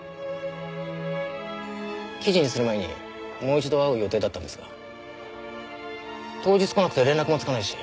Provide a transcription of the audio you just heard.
記事にする前にもう一度会う予定だったんですが当日来なくて連絡もつかないし。